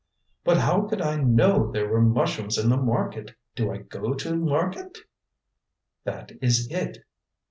"But how could I know there were mushrooms in the market? Do I go to market?" "That is it!"